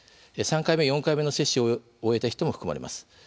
３回目、４回目の接種を終えた人も含まれます。